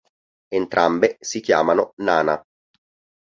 Entrambe si chiamano Nana.